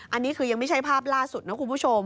อันนี้คือยังไม่ใช่ภาพล่าสุดนะคุณผู้ชม